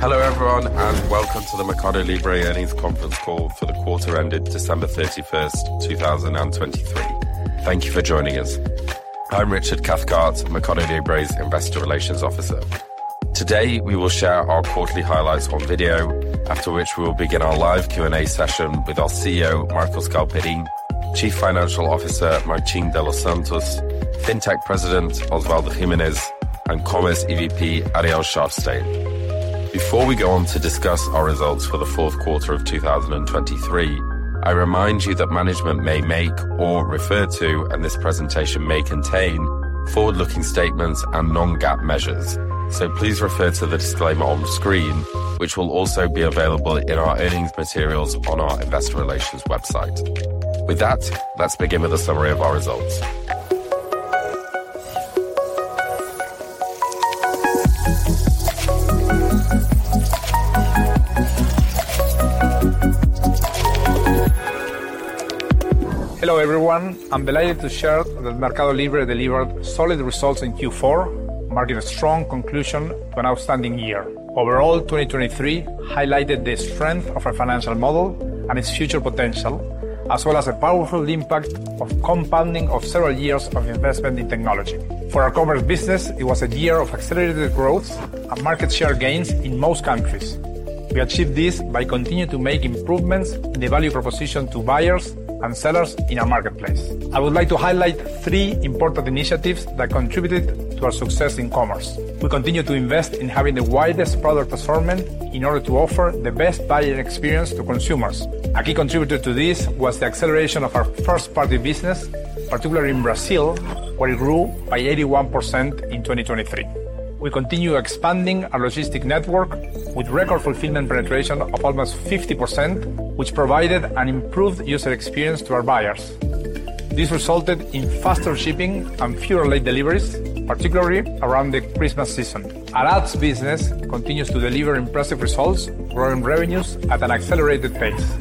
Hello everyone and welcome to the MercadoLibre Earnings Conference Call for the quarter ended December 31, 2023. Thank you for joining us. I'm Richard Cathcart, MercadoLibre's Investor Relations Officer. Today we will share our quarterly highlights on video, after which we will begin our live Q&A session with our CEO, Marcos Galperin, Chief Financial Officer, Martín de los Santos, Fintech President, Osvaldo Giménez, and Commerce EVP, Ariel Szarfsztejn. Before we go on to discuss our results for the fourth quarter of 2023, I remind you that management may make or refer to, and this presentation may contain, forward-looking statements and non-GAAP measures. So please refer to the disclaimer on screen, which will also be available in our earnings materials on our Investor Relations website. With that, let's begin with a summary of our results. Hello everyone. I'm delighted to share that MercadoLibre delivered solid results in Q4, marking a strong conclusion to an outstanding year. Overall, 2023 highlighted the strength of our financial model and its future potential, as well as the powerful impact of compounding of several years of investment in technology. For our commerce business, it was a year of accelerated growth and market share gains in most countries. We achieved this by continuing to make improvements in the value proposition to buyers and sellers in our marketplace. I would like to highlight three important initiatives that contributed to our success in commerce. We continue to invest in having the widest product assortment in order to offer the best buying experience to consumers. A key contributor to this was the acceleration of our first-party business, particularly in Brazil, where it grew by 81% in 2023. We continue expanding our logistics network with record fulfillment penetration of almost 50%, which provided an improved user experience to our buyers. This resulted in faster shipping and fewer late deliveries, particularly around the Christmas season. Our ads business continues to deliver impressive results, growing revenues at an accelerated pace.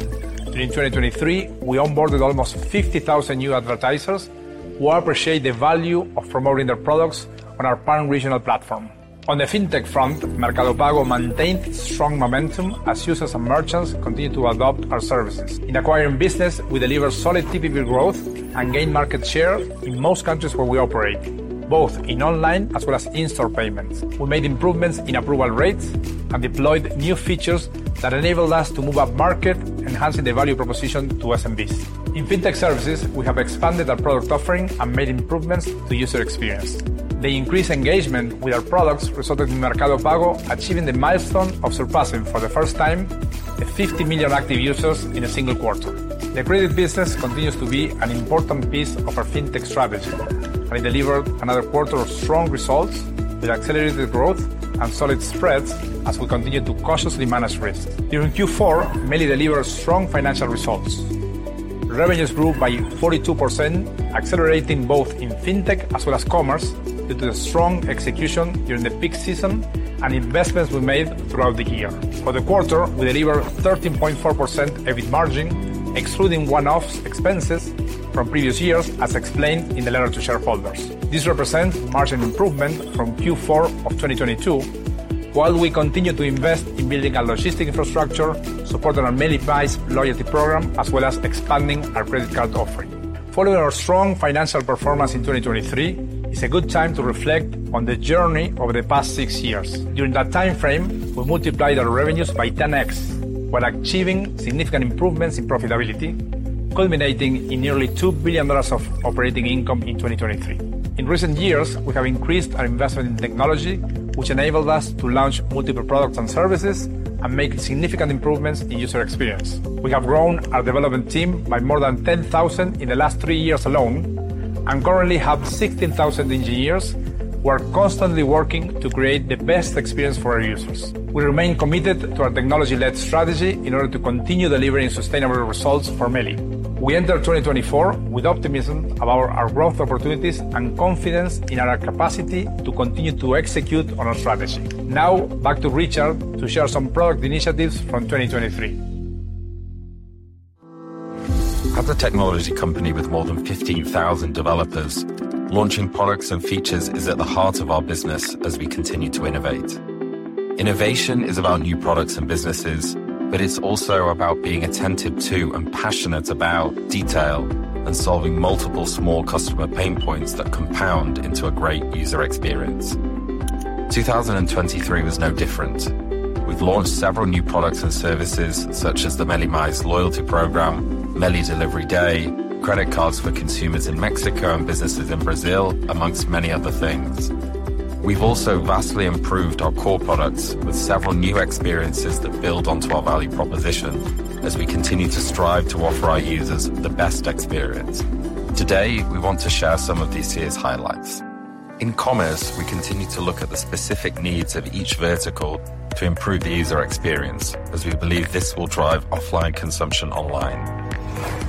During 2023, we onboarded almost 50,000 new advertisers who appreciate the value of promoting their products on our premier regional platform. On the fintech front, Mercado Pago maintained strong momentum as users and merchants continued to adopt our services. In acquiring business, we deliver solid TPV growth and gained market share in most countries where we operate, both in online as well as in-store payments. We made improvements in approval rates and deployed new features that enabled us to move up market, enhancing the value proposition to SMBs. In fintech services, we have expanded our product offering and made improvements to user experience. The increased engagement with our products resulted in MercadoPago achieving the milestone of surpassing, for the first time, 50 million active users in a single quarter. The credit business continues to be an important piece of our fintech strategy, and it delivered another quarter of strong results with accelerated growth and solid spreads as we continue to cautiously manage risk. During Q4, Meli delivered strong financial results. Revenues grew by 42%, accelerating both in fintech as well as commerce due to the strong execution during the peak season and investments we made throughout the year. For the quarter, we delivered 13.4% EBIT margin, excluding one-off expenses from previous years, as explained in the letter to shareholders. This represents margin improvement from Q4 of 2022, while we continue to invest in building our logistics infrastructure, supporting our Meli Buyers Loyalty Program, as well as expanding our credit card offering. Following our strong financial performance in 2023 is a good time to reflect on the journey over the past six years. During that time frame, we multiplied our revenues by 10x while achieving significant improvements in profitability, culminating in nearly $2 billion of operating income in 2023. In recent years, we have increased our investment in technology, which enabled us to launch multiple products and services and make significant improvements in user experience. We have grown our development team by more than 10,000 in the last three years alone and currently have 16,000 engineers who are constantly working to create the best experience for our users. We remain committed to our technology-led strategy in order to continue delivering sustainable results for Meli. We enter 2024 with optimism about our growth opportunities and confidence in our capacity to continue to execute on our strategy. Now, back to Richard to share some product initiatives from 2023. As a technology company with more than 15,000 developers, launching products and features is at the heart of our business as we continue to innovate. Innovation is about new products and businesses, but it's also about being attentive to and passionate about detail and solving multiple small customer pain points that compound into a great user experience. 2023 was no different. We've launched several new products and services such as the Meli Mais Loyalty Program, Meli Delivery Day, credit cards for consumers in Mexico and businesses in Brazil, among many other things. We've also vastly improved our core products with several new experiences that build onto our value proposition as we continue to strive to offer our users the best experience. Today, we want to share some of this year's highlights. In commerce, we continue to look at the specific needs of each vertical to improve the user experience as we believe this will drive offline consumption online.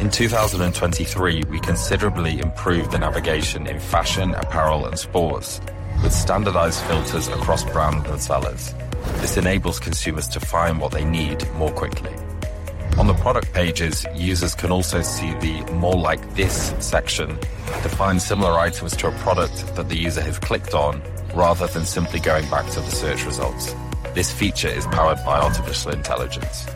In 2023, we considerably improved the navigation in fashion, apparel, and sports with standardized filters across brands and sellers. This enables consumers to find what they need more quickly. On the product pages, users can also see the "More Like This" section to find similar items to a product that the user has clicked on rather than simply going back to the search results. This feature is powered by artificial intelligence.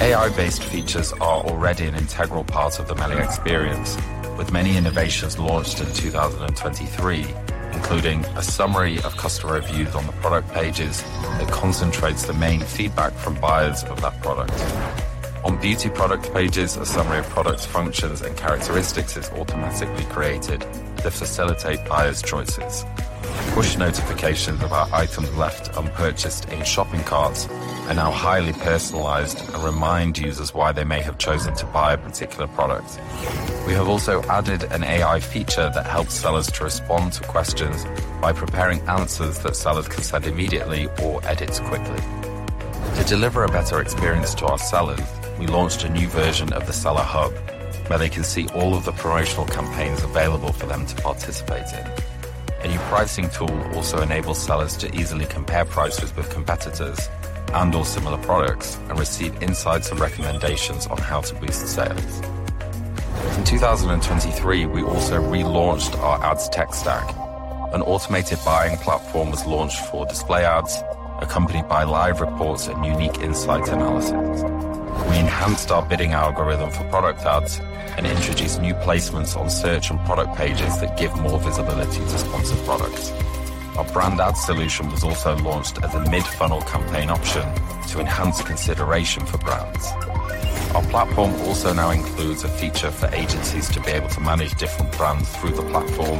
AI-based features are already an integral part of the Meli experience, with many innovations launched in 2023, including a summary of customer reviews on the product pages that concentrates the main feedback from buyers of that product. On beauty product pages, a summary of product functions and characteristics is automatically created to facilitate buyers' choices. Push notifications about items left unpurchased in shopping carts are now highly personalized and remind users why they may have chosen to buy a particular product. We have also added an AI feature that helps sellers to respond to questions by preparing answers that sellers can send immediately or edit quickly. To deliver a better experience to our sellers, we launched a new version of the Seller Hub, where they can see all of the promotional campaigns available for them to participate in. A new pricing tool also enables sellers to easily compare prices with competitors and/or similar products and receive insights and recommendations on how to boost sales. In 2023, we also relaunched our Ads Tech Stack. An automated buying platform was launched for Display Ads, accompanied by live reports and unique insights analysis. We enhanced our bidding algorithm for product ads and introduced new placements on search and product pages that give more visibility to sponsored products. Our Brand Ads solution was also launched as a mid-funnel campaign option to enhance consideration for brands. Our platform also now includes a feature for agencies to be able to manage different brands through the platform.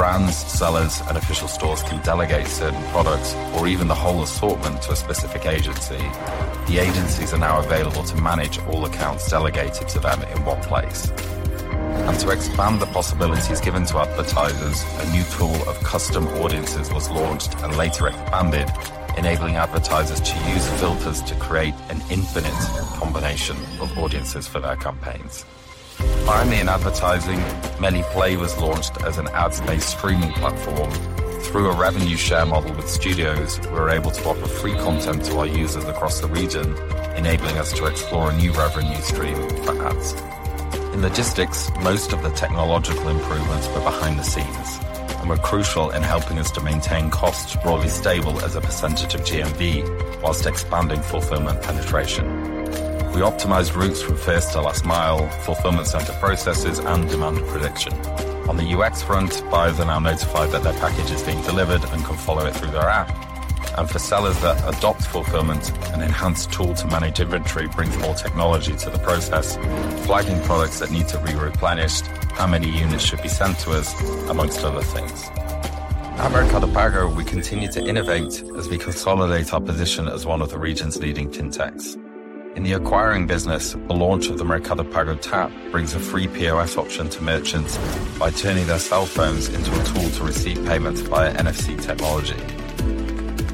Brands, sellers, and official stores can delegate certain products or even the whole assortment to a specific agency. The agencies are now available to manage all accounts delegated to them in one place. To expand the possibilities given to advertisers, a new tool of custom audiences was launched and later expanded, enabling advertisers to use filters to create an infinite combination of audiences for their campaigns. Finally, in advertising, Meli Play was launched as an ad space streaming platform. Through a revenue share model with studios, we were able to offer free content to our users across the region, enabling us to explore a new revenue stream for ads. In logistics, most of the technological improvements were behind the scenes and were crucial in helping us to maintain costs broadly stable as a percentage of GMV while expanding fulfillment penetration. We optimized routes from first to last mile, fulfillment center processes, and demand prediction. On the UX front, buyers are now notified that their package is being delivered and can follow it through their app. And for sellers that adopt fulfillment, an enhanced tool to manage inventory brings more technology to the process, flagging products that need to be replenished, how many units should be sent to us, among other things. At MercadoPago, we continue to innovate as we consolidate our position as one of the region's leading fintechs. In the acquiring business, the launch of the MercadoPago TAP brings a free POS option to merchants by turning their cell phones into a tool to receive payments via NFC technology.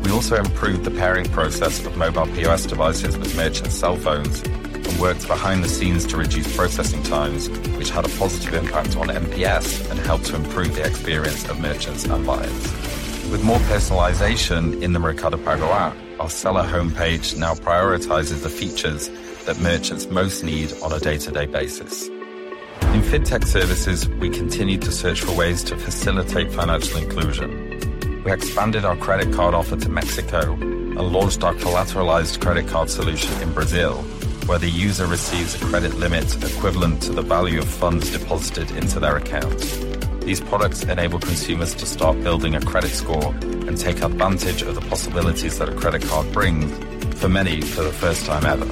We also improved the pairing process of mobile POS devices with merchant cell phones and worked behind the scenes to reduce processing times, which had a positive impact on NPS and helped to improve the experience of merchants and buyers. With more personalization in the MercadoPago app, our seller home page now prioritizes the features that merchants most need on a day-to-day basis. In fintech services, we continue to search for ways to facilitate financial inclusion. We expanded our credit card offer to Mexico and launched our collateralized credit card solution in Brazil, where the user receives a credit limit equivalent to the value of funds deposited into their account. These products enable consumers to start building a credit score and take advantage of the possibilities that a credit card brings, for many, for the first time ever.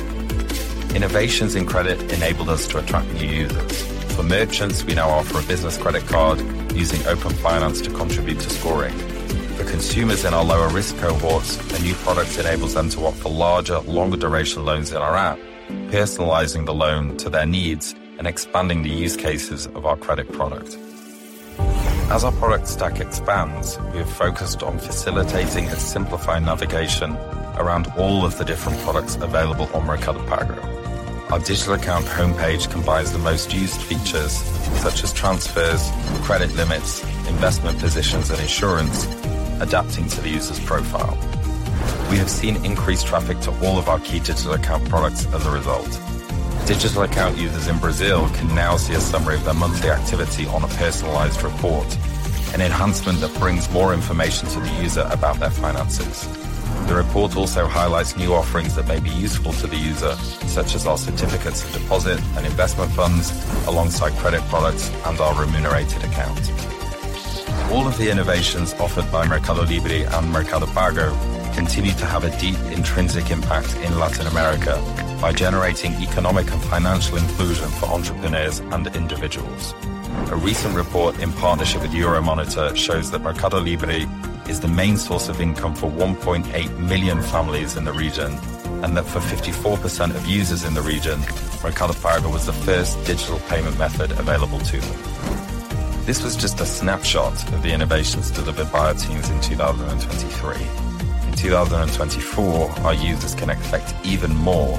Innovations in credit enabled us to attract new users. For merchants, we now offer a business credit card using Open Finance to contribute to scoring. For consumers in our lower-risk cohorts, a new product enables them to offer larger, longer-duration loans in our app, personalizing the loan to their needs and expanding the use cases of our credit product. As our product stack expands, we have focused on facilitating and simplifying navigation around all of the different products available on MercadoPago. Our digital account home page combines the most used features such as transfers, credit limits, investment positions, and insurance, adapting to the user's profile. We have seen increased traffic to all of our key digital account products as a result. Digital account users in Brazil can now see a summary of their monthly activity on a personalized report, an enhancement that brings more information to the user about their finances. The report also highlights new offerings that may be useful to the user, such as our certificates of deposit and investment funds alongside credit products and our remunerated account. All of the innovations offered by MercadoLibre and MercadoPago continue to have a deep intrinsic impact in Latin America by generating economic and financial inclusion for entrepreneurs and individuals. A recent report in partnership with Euromonitor shows that MercadoLibre is the main source of income for 1.8 million families in the region and that for 54% of users in the region, MercadoPago was the first digital payment method available to them. This was just a snapshot of the innovations delivered by our teams in 2023. In 2024, our users can expect even more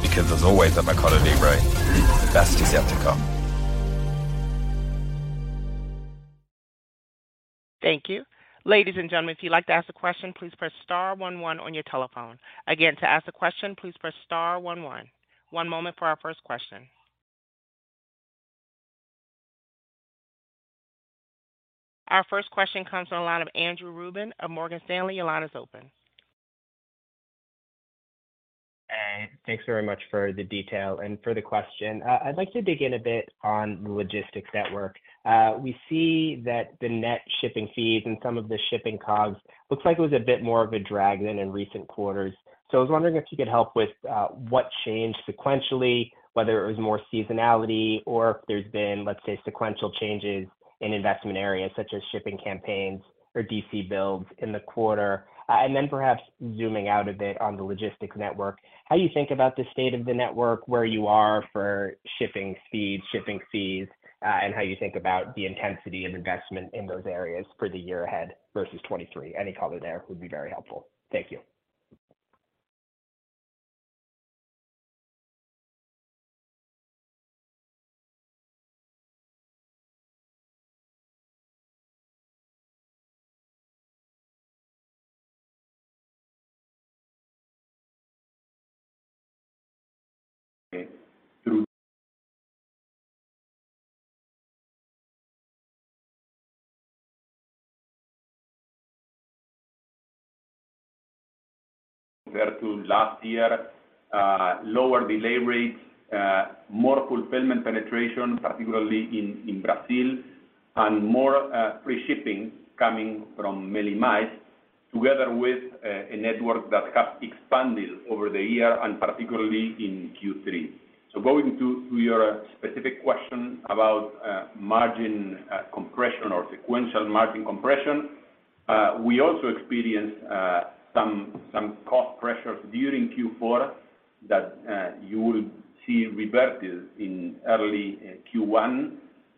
because, as always at MercadoLibre, the best is yet to come. Thank you. Ladies and gentlemen, if you'd like to ask a question, please press star 11 on your telephone. Again, to ask a question, please press star 11. One moment for our first question. Our first question comes from the line of Andrew Ruben of Morgan Stanley. Your line is open. Thanks very much for the detail and for the question. I'd like to dig in a bit on the logistics that work. We see that the net shipping fees and some of the shipping costs look like it was a bit more of a drag than in recent quarters. So I was wondering if you could help with what changed sequentially, whether it was more seasonality or if there's been, let's say, sequential changes in investment areas such as shipping campaigns or DC builds in the quarter. And then perhaps zooming out a bit on the logistics network, how do you think about the state of the network, where you are for shipping speeds, shipping fees, and how you think about the intensity of investment in those areas for the year ahead versus 2023? Any color there would be very helpful. Thank you. Through. Compared to last year, lower delay rates, more fulfillment penetration, particularly in Brazil, and more free shipping coming from Meli Mais together with a network that has expanded over the year and particularly in Q3. So going to your specific question about margin compression or sequential margin compression, we also experienced some cost pressures during Q4 that you will see reverted in early Q1.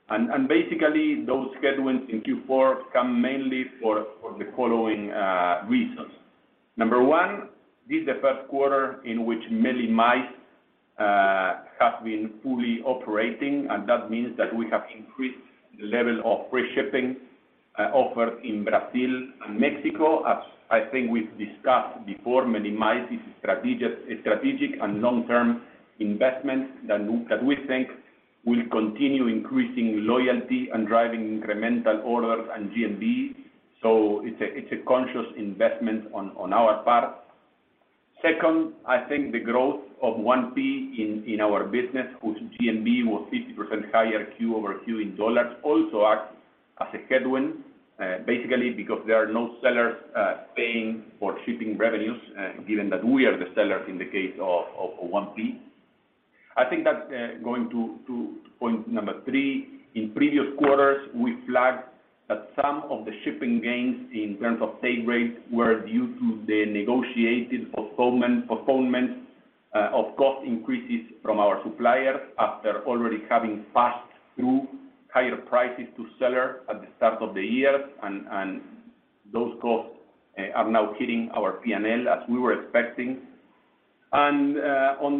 And basically, those headwinds in Q4 come mainly for the following reasons. Number one, this is the first quarter in which Meli Mais has been fully operating, and that means that we have increased the level of free shipping offered in Brazil and Mexico. As I think we've discussed before, Meli Mais is a strategic and long-term investment that we think will continue increasing loyalty and driving incremental orders and GMV. So it's a conscious investment on our part. Second, I think the growth of 1P in our business, whose GMV was 50% higher Q-over-Q in dollars, also acts as a headwind, basically because there are no sellers paying for shipping revenues, given that we are the sellers in the case of 1P. I think that going to point number three, in previous quarters, we flagged that some of the shipping gains in terms of save rates were due to the negotiated postponements of cost increases from our suppliers after already having passed through higher prices to sellers at the start of the year. Those costs are now hitting our P&L as we were expecting. On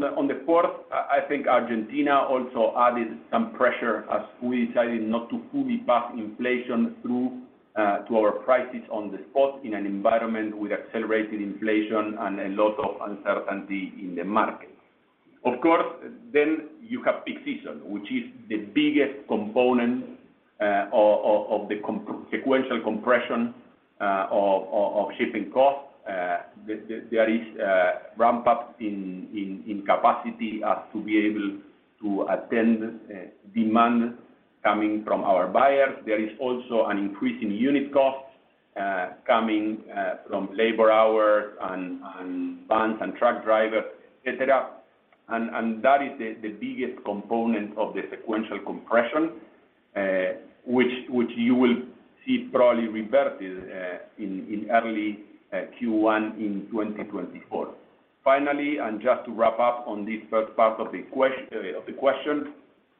the fourth, I think Argentina also added some pressure as we decided not to fully pass inflation through to our prices on the spot in an environment with accelerated inflation and a lot of uncertainty in the market. Of course, then you have peak season, which is the biggest component of the sequential compression of shipping costs. There is ramp-up in capacity as to be able to attend demand coming from our buyers. There is also an increase in unit costs coming from labor hours and vans and truck drivers, etc. And that is the biggest component of the sequential compression, which you will see probably reverted in early Q1 in 2024. Finally, and just to wrap up on this first part of the question,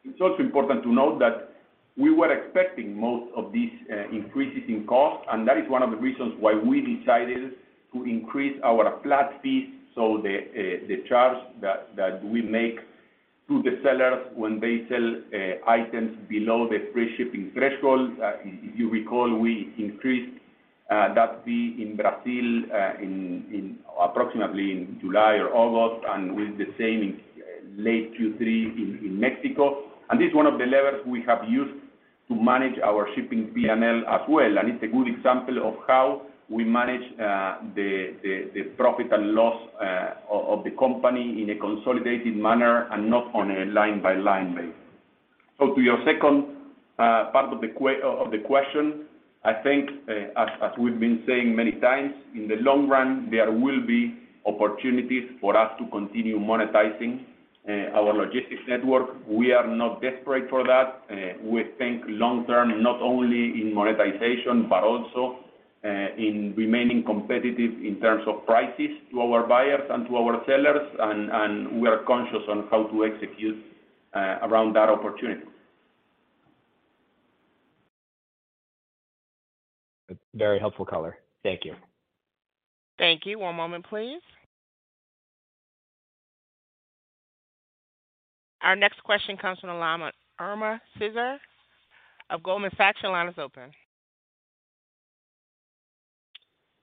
it's also important to note that we were expecting most of these increases in cost, and that is one of the reasons why we decided to increase our flat fees. So the charge that we make to the sellers when they sell items below the free shipping threshold, if you recall, we increased that fee in Brazil approximately in July or August and with the same in late Q3 in Mexico. This is one of the levers we have used to manage our shipping P&L as well. It's a good example of how we manage the profit and loss of the company in a consolidated manner and not on a line-by-line basis. To your second part of the question, I think, as we've been saying many times, in the long run, there will be opportunities for us to continue monetizing our logistics network. We are not desperate for that. We think long-term, not only in monetization, but also in remaining competitive in terms of prices to our buyers and to our sellers. We are conscious on how to execute around that opportunity. Very helpful color. Thank you. Thank you. One moment, please. Our next question comes from Irma Sgarz of Goldman Sachs. Your line is open.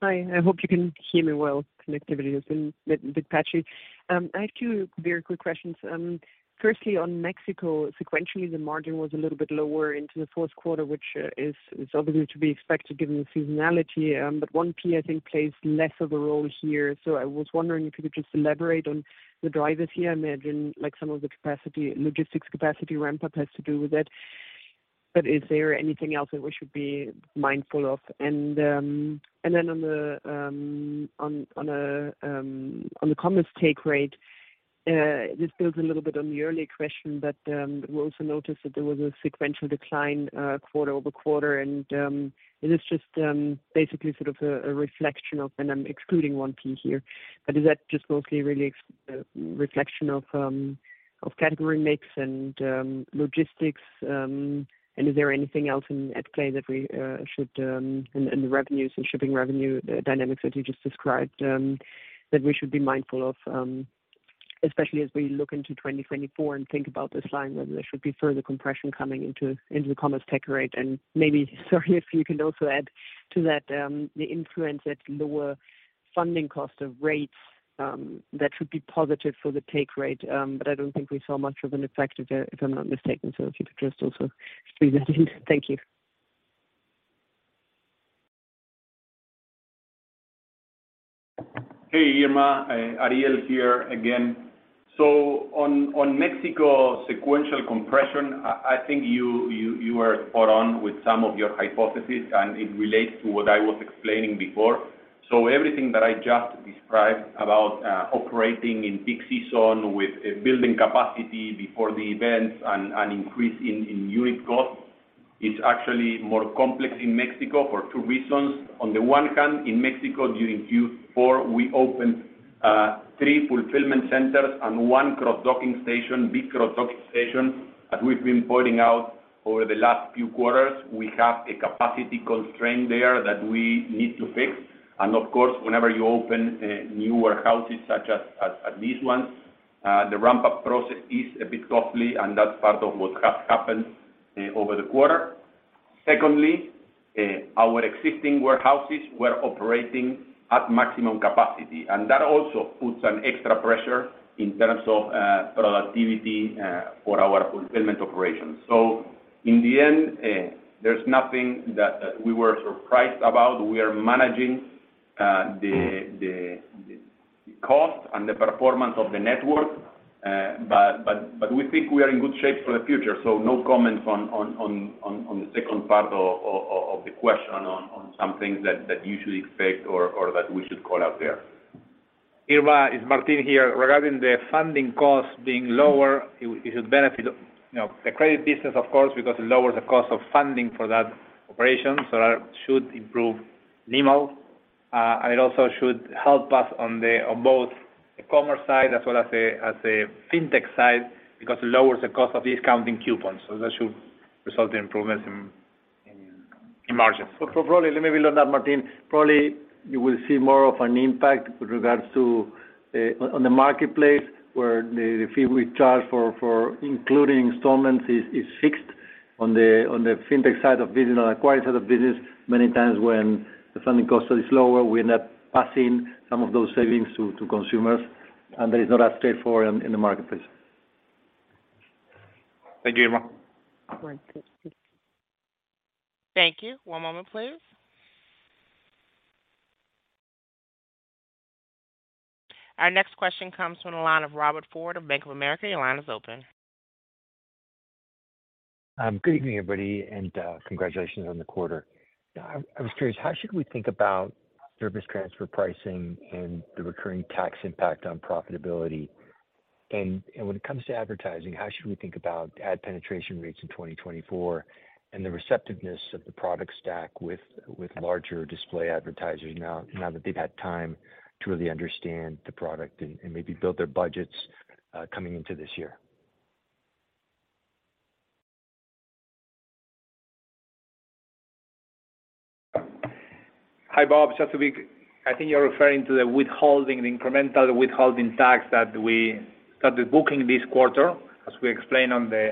Hi. I hope you can hear me well. Connectivity has been a bit patchy. I have two very quick questions. Firstly, on Mexico, sequentially, the margin was a little bit lower into the fourth quarter, which is obviously to be expected given the seasonality. But 1P, I think, plays less of a role here. So I was wondering if you could just elaborate on the drivers here. I imagine some of the logistics capacity ramp-up has to do with that. But is there anything else that we should be mindful of? And then on the commerce take rate, this builds a little bit on the earlier question, but we also noticed that there was a sequential decline quarter-over-quarter. And is this just basically sort of a reflection of and I'm excluding 1P here. But is that just mostly really a reflection of category mix and logistics? Is there anything else at play that we should in the revenues and shipping revenue dynamics that you just described that we should be mindful of, especially as we look into 2024 and think about this line, whether there should be further compression coming into the commerce take rate? And maybe, sorry, if you can also add to that, the influence at lower funding cost of rates, that should be positive for the take rate. But I don't think we saw much of an effect, if I'm not mistaken. So if you could just also feed that in. Thank you. Hey, Irma. Ariel here again. So on Mexico sequential compression, I think you were spot on with some of your hypotheses, and it relates to what I was explaining before. So everything that I just described about operating in peak season with building capacity before the events and increase in unit costs is actually more complex in Mexico for two reasons. On the one hand, in Mexico, during Q4, we opened three fulfillment centers and one cross-docking station, big cross-docking station, as we've been pointing out over the last few quarters. We have a capacity constraint there that we need to fix. And of course, whenever you open new warehouses such as these ones, the ramp-up process is a bit tough, and that's part of what has happened over the quarter. Secondly, our existing warehouses were operating at maximum capacity. That also puts an extra pressure in terms of productivity for our fulfillment operations. In the end, there's nothing that we were surprised about. We are managing the cost and the performance of the network. We think we are in good shape for the future. No comments on the second part of the question on some things that you should expect or that we should call out there. Irma, it's Martín here. Regarding the funding costs being lower, it should benefit the credit business, of course, because it lowers the cost of funding for that operation. So that should improve NIMO. And it also should help us on both the commerce side as well as the fintech side because it lowers the cost of discounting coupons. So that should result in improvements in margins. Probably. Let me build on that, Martín. Probably you will see more of an impact with regards to on the marketplace where the fee we charge for including installments is fixed on the fintech side of business, on the acquiring side of business. Many times when the funding cost is lower, we end up passing some of those savings to consumers, and there is not as straightforward in the marketplace. Thank you, Irma. Thank you. One moment, please. Our next question comes from the line of Robert Ford of Bank of America. Your line is open. Good evening, everybody, and congratulations on the quarter. I was curious, how should we think about service transfer pricing and the recurring tax impact on profitability? When it comes to advertising, how should we think about ad penetration rates in 2024 and the receptiveness of the product stack with larger display advertisers now that they've had time to really understand the product and maybe build their budgets coming into this year? Hi, Bob. I think you're referring to the withholding, the incremental withholding tax that we started booking this quarter, as we explained on the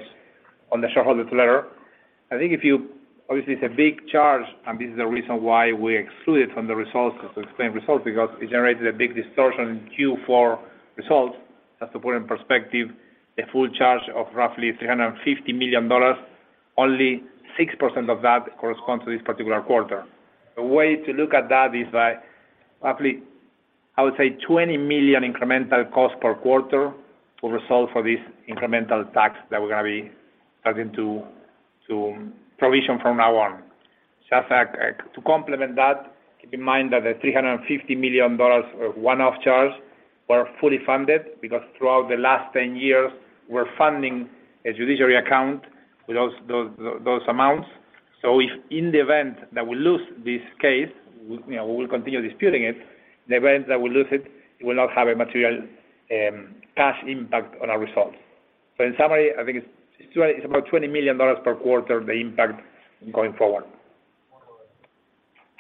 shareholders' letter. I think if you obviously, it's a big charge, and this is the reason why we excluded from the results to explain results because it generated a big distortion in Q4 results. Just to put in perspective, the full charge of roughly $350 million, only 6% of that corresponds to this particular quarter. A way to look at that is by roughly, I would say, $20 million incremental cost per quarter will result for this incremental tax that we're going to be starting to provision from now on. Just to complement that, keep in mind that the $350 million one-off charge were fully funded because throughout the last 10 years, we're funding a judiciary account with those amounts. So if in the event that we lose this case, we will continue disputing it. In the event that we lose it, it will not have a material cash impact on our results. So in summary, I think it's about $20 million per quarter, the impact going forward.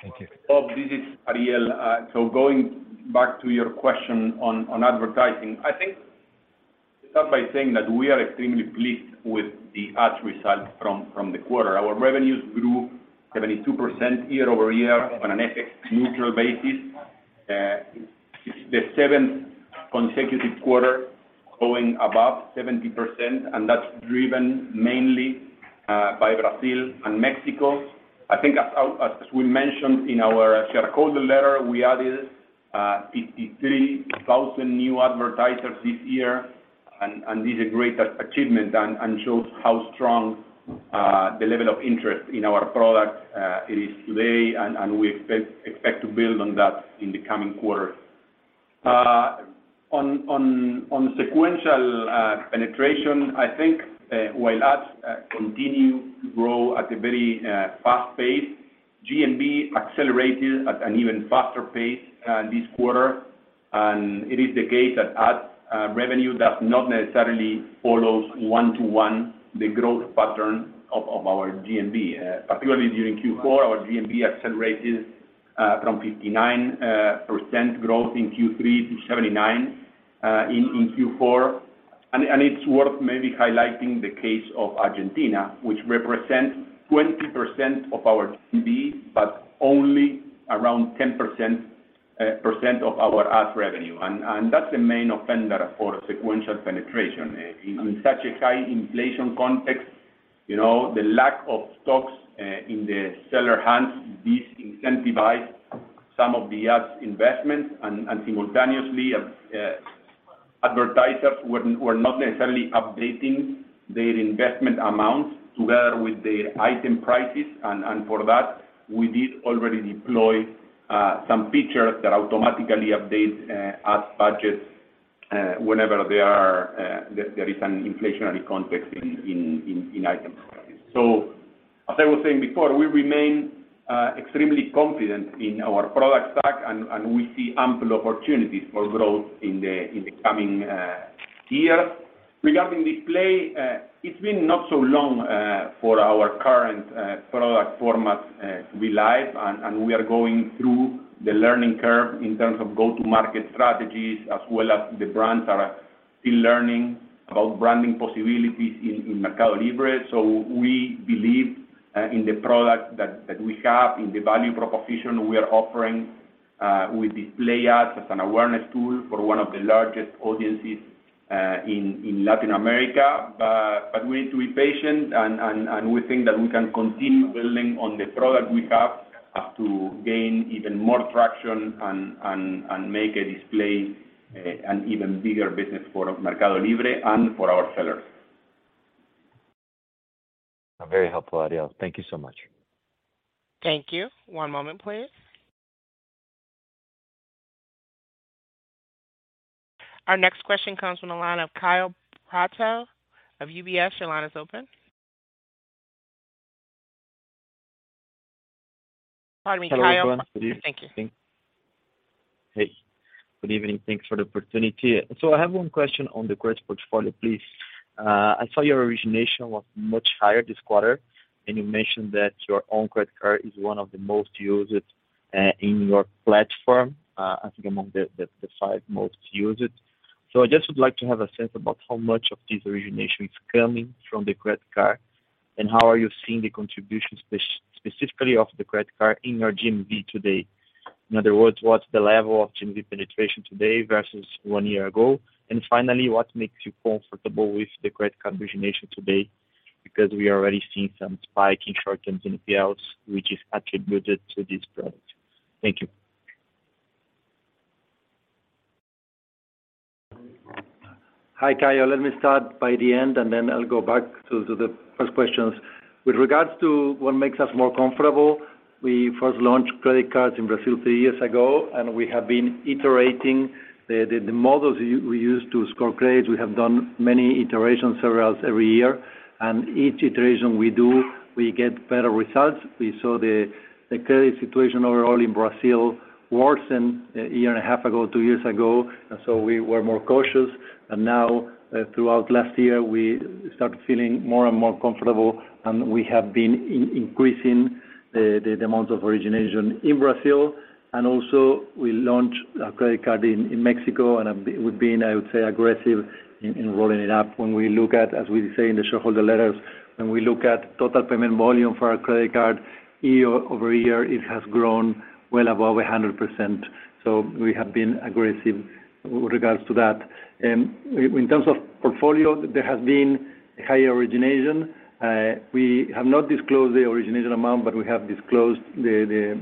Thank you. Bob, this is Ariel. So going back to your question on advertising, I think to start by saying that we are extremely pleased with the ads results from the quarter. Our revenues grew 72% year-over-year on an FX-neutral basis. It's the seventh consecutive quarter going above 70%, and that's driven mainly by Brazil and Mexico. I think as we mentioned in our shareholder letter, we added 53,000 new advertisers this year, and this is a great achievement and shows how strong the level of interest in our product it is today, and we expect to build on that in the coming quarters. On sequential penetration, I think while ads continue to grow at a very fast pace, GMV accelerated at an even faster pace this quarter. And it is the case that ads revenue does not necessarily follow one-to-one the growth pattern of our GMV. Particularly during Q4, our GMV accelerated from 59% growth in Q3 to 79% in Q4. It's worth maybe highlighting the case of Argentina, which represents 20% of our GMV but only around 10% of our ads revenue. That's the main offender for sequential penetration. In such a high inflation context, the lack of stocks in the seller hands disincentivized some of the ads' investments. Simultaneously, advertisers were not necessarily updating their investment amounts together with their item prices. For that, we did already deploy some features that automatically update ads' budgets whenever there is an inflationary context in items. As I was saying before, we remain extremely confident in our product stack, and we see ample opportunities for growth in the coming years. Regarding display, it's been not so long for our current product format to be live, and we are going through the learning curve in terms of go-to-market strategies as well as the brands are still learning about branding possibilities in MercadoLibre. So we believe in the product that we have, in the value proposition we are offering with display ads as an awareness tool for one of the largest audiences in Latin America. But we need to be patient, and we think that we can continue building on the product we have as to gain even more traction and make a display an even bigger business for MercadoLibre and for our sellers. Very helpful, Ariel. Thank you so much. Thank you. One moment, please. Our next question comes from the line of Kaio Prato of UBS. Your line is open. Pardon me. Kaio. Hello everyone. Thank you. Hey. Good evening. Thanks for the opportunity. I have one question on the credit portfolio, please. I saw your origination was much higher this quarter, and you mentioned that your own credit card is one of the most used in your platform, I think among the five most used. I just would like to have a sense about how much of this origination is coming from the credit card and how are you seeing the contribution specifically of the credit card in your GMV today. In other words, what's the level of GMV penetration today versus one year ago? And finally, what makes you comfortable with the credit card origination today because we are already seeing some spike in short-term NPLs, which is attributed to this product? Thank you. Hi, Kyle. Let me start by the end, and then I'll go back to the first questions. With regards to what makes us more comfortable, we first launched credit cards in Brazil 3 years ago, and we have been iterating the models we use to score credits. We have done many iterations every year. Each iteration we do, we get better results. We saw the credit situation overall in Brazil worsen 1.5 years ago, 2 years ago. So we were more cautious. Now, throughout last year, we started feeling more and more comfortable, and we have been increasing the amounts of origination in Brazil. Also, we launched a credit card in Mexico, and we've been, I would say, aggressive in rolling it up. When we look at, as we say in the shareholder letters, when we look at total payment volume for our credit card year-over-year, it has grown well above 100%. So we have been aggressive with regards to that. In terms of portfolio, there has been higher origination. We have not disclosed the origination amount, but we have disclosed the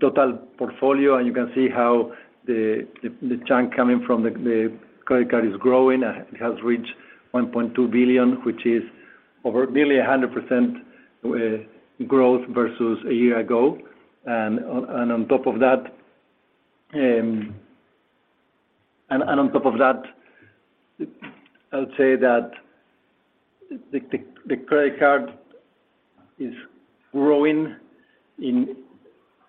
total portfolio. And you can see how the chunk coming from the credit card is growing. It has reached $1.2 billion, which is over nearly 100% growth versus a year ago. And on top of that and on top of that, I would say that the credit card is growing in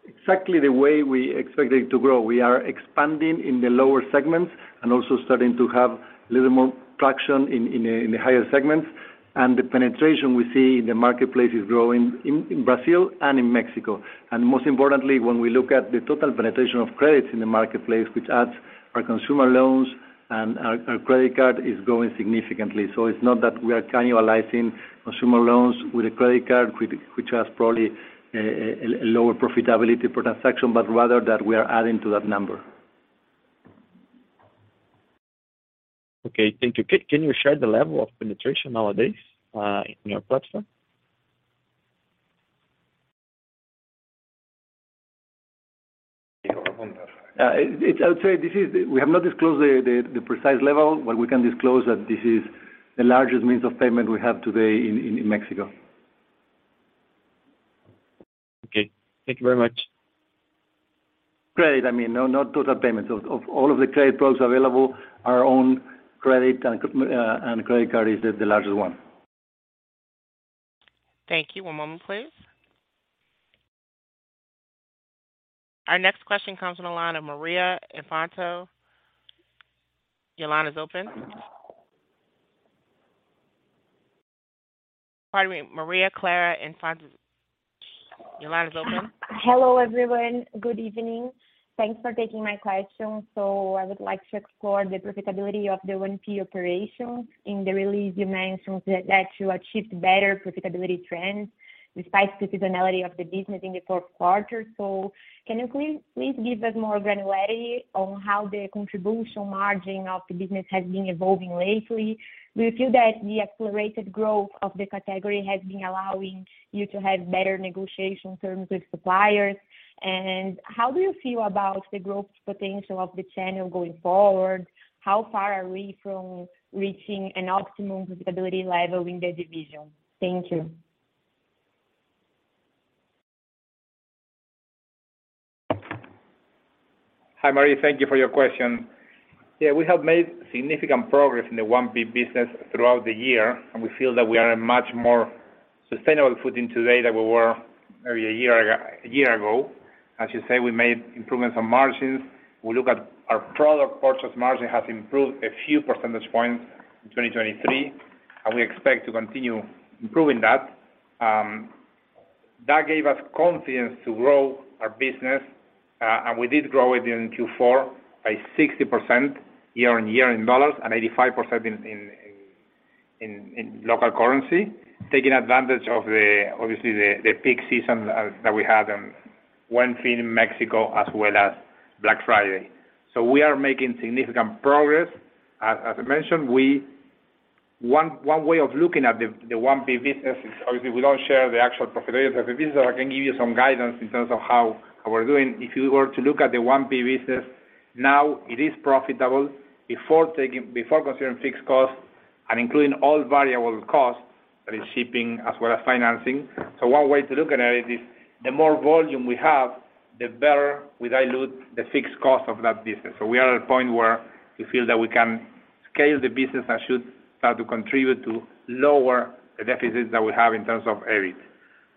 exactly the way we expected it to grow. We are expanding in the lower segments and also starting to have a little more traction in the higher segments. The penetration we see in the marketplace is growing in Brazil and in Mexico. Most importantly, when we look at the total penetration of credits in the marketplace, which adds our consumer loans and our credit card, it's growing significantly. It's not that we are cannibalizing consumer loans with a credit card, which has probably a lower profitability per transaction, but rather that we are adding to that number. Okay. Thank you. Can you share the level of penetration nowadays in your platform? I would say this is we have not disclosed the precise level, but we can disclose that this is the largest means of payment we have today in Mexico. Okay. Thank you very much. Credit. I mean, not total payments. Of all of the credit products available, our own credit and credit card is the largest one. Thank you. One moment, please. Our next question comes from the line of Maria Clara Infantozzi. Your line is open. Pardon me. Maria Clara Infantozzi, your line is open. Hello, everyone. Good evening. Thanks for taking my question. I would like to explore the profitability of the 1P operations. In the release, you mentioned that you achieved better profitability trends despite the seasonality of the business in the fourth quarter. Can you please give us more granularity on how the contribution margin of the business has been evolving lately? Do you feel that the accelerated growth of the category has been allowing you to have better negotiation terms with suppliers? And how do you feel about the growth potential of the channel going forward? How far are we from reaching an optimum profitability level in the division? Thank you. Hi, Maria. Thank you for your question. Yeah, we have made significant progress in the 1P business throughout the year, and we feel that we are in much more sustainable footing today than we were maybe a year ago. As you say, we made improvements on margins. We look at our product purchase margin has improved a few percentage points in 2023, and we expect to continue improving that. That gave us confidence to grow our business, and we did grow it in Q4 by 60% year-over-year in dollars and 85% in local currency, taking advantage of, obviously, the peak season that we had on 1P in Mexico as well as Black Friday. So we are making significant progress. As I mentioned, one way of looking at the 1P business is obviously, we don't share the actual profitability of the business, but I can give you some guidance in terms of how we're doing. If you were to look at the 1P business now, it is profitable before considering fixed costs and including all variable costs, that is, shipping as well as financing. One way to look at it is the more volume we have, the better we dilute the fixed cost of that business. We are at a point where we feel that we can scale the business and should start to contribute to lower the deficits that we have in terms of EBIT.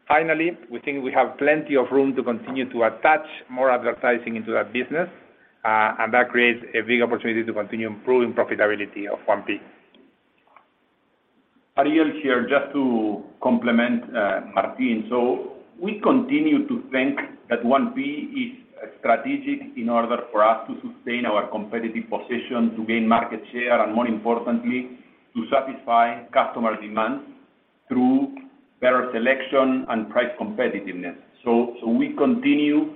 Finally, we think we have plenty of room to continue to attach more advertising into that business, and that creates a big opportunity to continue improving profitability of 1P. Ariel here, just to complement Martín. We continue to think that 1P is strategic in order for us to sustain our competitive position, to gain market share, and more importantly, to satisfy customer demands through better selection and price competitiveness. We continue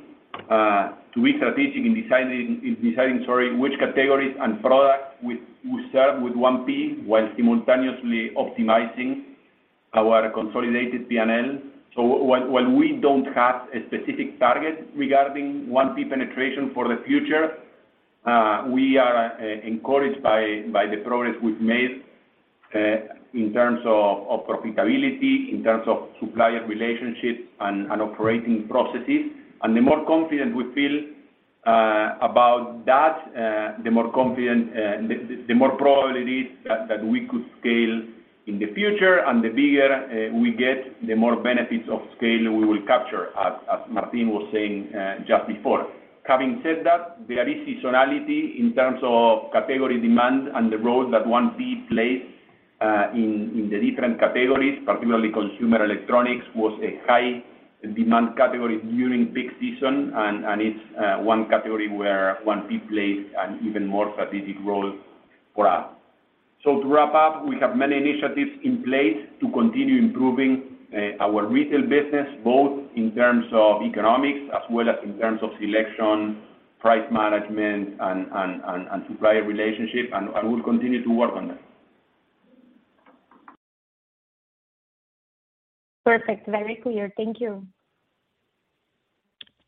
to be strategic in deciding, sorry, which categories and products we serve with 1P while simultaneously optimizing our consolidated P&L. While we don't have a specific target regarding 1P penetration for the future, we are encouraged by the progress we've made in terms of profitability, in terms of supplier relationships, and operating processes. The more confident we feel about that, the more probable it is that we could scale in the future. The bigger we get, the more benefits of scale we will capture, as Martín was saying just before. Having said that, there is seasonality in terms of category demand and the role that 1P plays in the different categories, particularly consumer electronics was a high-demand category during peak season, and it's one category where 1P plays an even more strategic role for us. So to wrap up, we have many initiatives in place to continue improving our retail business, both in terms of economics as well as in terms of selection, price management, and supplier relationship, and we'll continue to work on that. Perfect. Very clear. Thank you.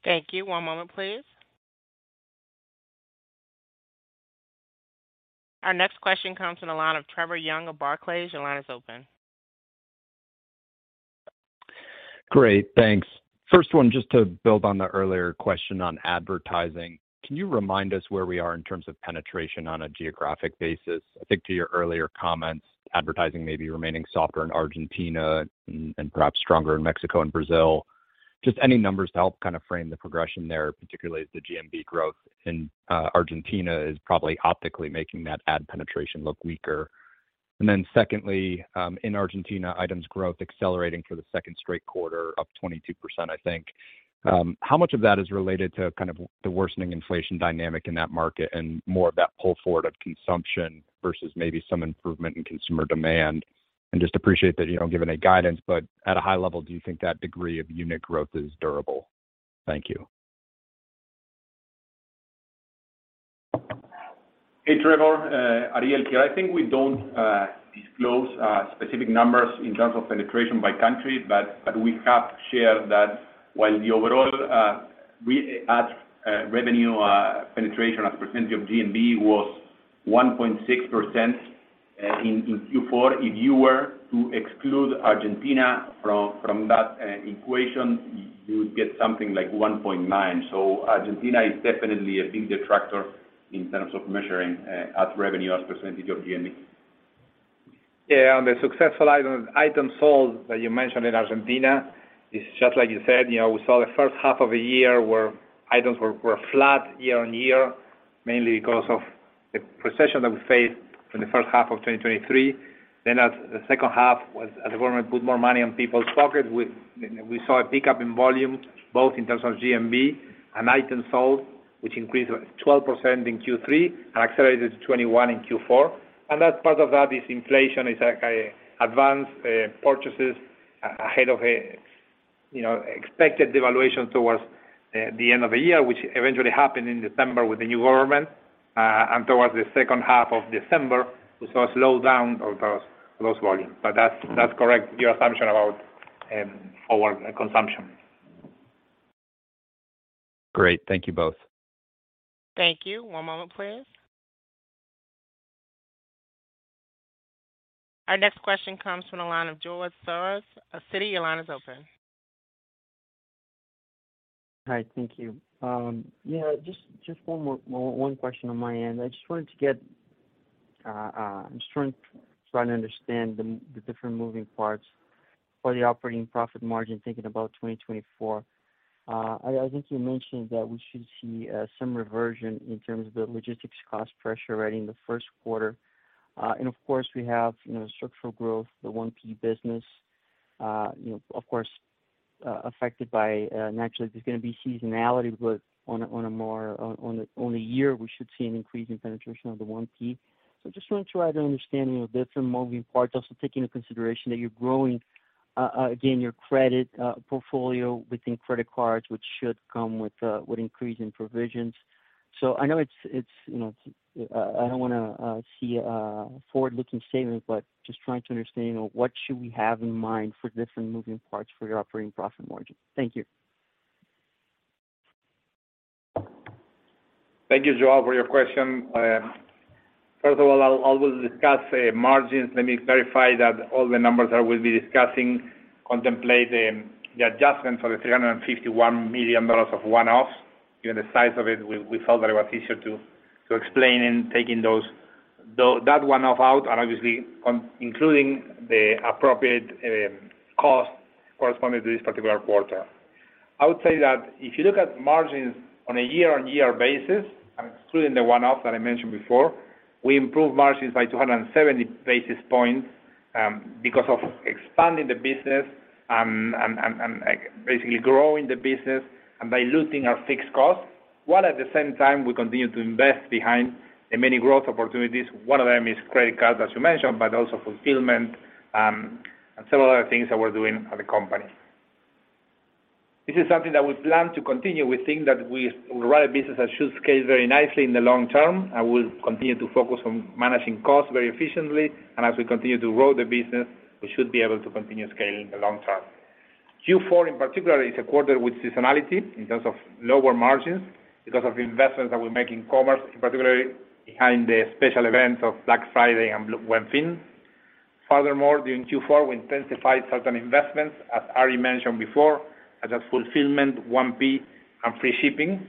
Thank you. One moment, please. Our next question comes from the line of Trevor Young of Barclays. Your line is open. Great. Thanks. First one, just to build on the earlier question on advertising, can you remind us where we are in terms of penetration on a geographic basis? I think to your earlier comments, advertising may be remaining softer in Argentina and perhaps stronger in Mexico and Brazil. Just any numbers to help kind of frame the progression there, particularly as the GMV growth in Argentina is probably optically making that ad penetration look weaker. And then secondly, in Argentina, items growth accelerating for the second straight quarter up 22%, I think. How much of that is related to kind of the worsening inflation dynamic in that market and more of that pull forward of consumption versus maybe some improvement in consumer demand? And just appreciate that you don't give any guidance, but at a high level, do you think that degree of unit growth is durable? Thank you. Hey, Trevor. Ariel here. I think we don't disclose specific numbers in terms of penetration by country, but we have shared that while the overall revenue penetration as percentage of GMV was 1.6% in Q4, if you were to exclude Argentina from that equation, you would get something like 1.9%. So Argentina is definitely a big detractor in terms of measuring ad revenue as percentage of GMV. Yeah. And the successful items sold that you mentioned in Argentina, it's just like you said, we saw the first half of the year where items were flat year-over-year, mainly because of the recession that we faced in the first half of 2023. Then the second half was, as the government put more money on people's pockets, we saw a pickup in volume both in terms of GMV and items sold, which increased 12% in Q3 and accelerated to 21% in Q4. And part of that is inflation. It's advanced purchases ahead of expected devaluation towards the end of the year, which eventually happened in December with the new government. And towards the second half of December, we saw a slowdown of those volumes. But that's correct, your assumption about our consumption. Great. Thank you both. Thank you. One moment, please. Our next question comes from the line of João Soares at Citi. Your line is open. Hi. Thank you. Yeah, just one question on my end. I'm just trying to understand the different moving parts for the operating profit margin, thinking about 2024. I think you mentioned that we should see some reversion in terms of the logistics cost pressure already in the first quarter. And of course, we have structural growth, the 1P business, of course, affected by naturally, there's going to be seasonality, but on a year we should see an increase in penetration of the 1P. So I just wanted to try to understand different moving parts, also taking into consideration that you're growing, again, your credit portfolio within credit cards, which should come with an increase in provisions. So I know I don't want to see a forward-looking statement, but just trying to understand what should we have in mind for different moving parts for your operating profit margin. Thank you. Thank you, Joel, for your question. First of all, I will discuss margins. Let me clarify that all the numbers that we'll be discussing contemplate the adjustment for the $351 million of one-offs. Given the size of it, we felt that it was easier to explain and taking that one-off out and obviously including the appropriate cost corresponding to this particular quarter. I would say that if you look at margins on a year-on-year basis, excluding the one-off that I mentioned before, we improved margins by 270 basis points because of expanding the business and basically growing the business and diluting our fixed costs while at the same time, we continue to invest behind the many growth opportunities. One of them is credit cards, as you mentioned, but also fulfillment and several other things that we're doing at the company. This is something that we plan to continue. We think that we run a business that should scale very nicely in the long term. I will continue to focus on managing costs very efficiently. And as we continue to grow the business, we should be able to continue scaling in the long term. Q4, in particular, is a quarter with seasonality in terms of lower margins because of investments that we make in commerce, in particular behind the special events of Black Friday and 1Pin. Furthermore, during Q4, we intensified certain investments, as Ari mentioned before, such as fulfillment, 1P, and free shipping.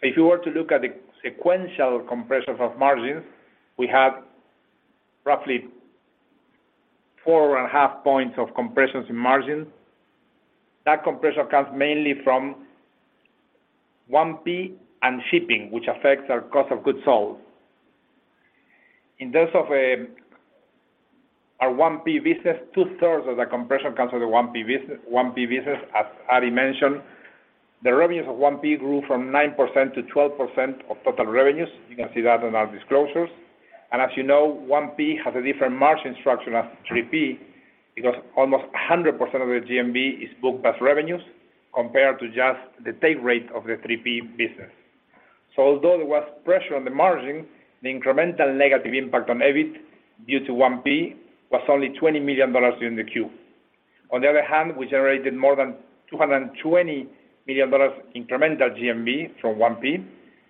So if you were to look at the sequential compressions of margins, we had roughly 4.5 points of compressions in margin. That compression comes mainly from 1P and shipping, which affects our cost of goods sold. In terms of our 1P business, 2/3 of the compression comes from the 1P business. As Ari mentioned, the revenues of 1P grew from 9% to 12% of total revenues. You can see that in our disclosures. As you know, 1P has a different margin structure as 3P because almost 100% of the GMV is booked as revenues compared to just the take rate of the 3P business. Although there was pressure on the margin, the incremental negative impact on EBIT due to 1P was only $20 million during the Q. On the other hand, we generated more than $220 million incremental GMV from 1P,